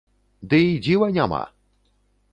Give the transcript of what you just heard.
Ды і дзіва няма!